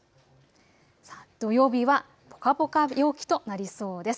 土曜日はぽかぽか陽気となりそうです。